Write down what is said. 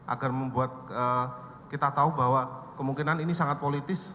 agar membuat kita tahu bahwa kemungkinan ini sangat politis